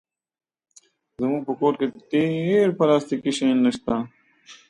زموږ په کور کې ډېر پلاستيکي شیان شته.